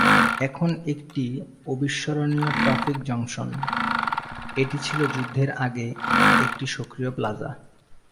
এখন একটি অবিস্মরণীয় ট্র্যাফিক জংশন, এটি ছিল যুদ্ধের আগে একটি সক্রিয় প্লাজা।